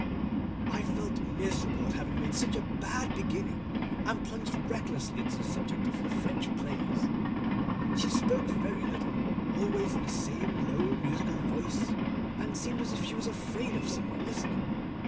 I felt miserable at having made such a bad beginning, and plunged recklessly into the subject of the French plays. She spoke very little, always in the same low musical voice, and seemed as if she was afraid of some one listening.